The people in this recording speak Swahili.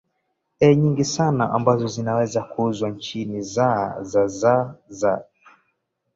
ee nyingi sana ambazo zinaweza kuuzwa nchi zaa za za za